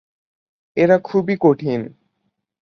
এরা খুবই কঠিন।